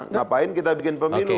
ngapain kita bikin pemilu